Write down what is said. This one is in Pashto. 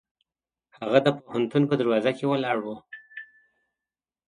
هغه د پوهنتون په دروازه کې ولاړ و.